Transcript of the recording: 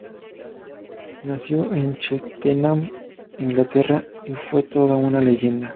Nació en Cheltenham, Inglaterra y fue toda una leyenda.